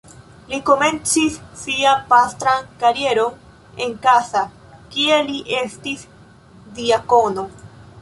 Li komencis sian pastran karieron en Kassa, kie li estis diakono.